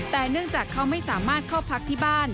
แต่เนื่องจากเขาไม่สามารถเข้าพักที่บ้าน